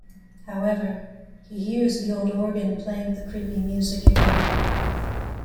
However, he hears the old organ playing the creepy music again.